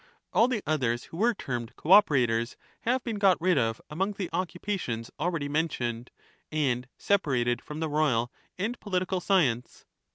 All the others, alone who were termed co operators, have been got rid of among ^^jj^g the occupations already mentioned, and separated from the them we royal and political science.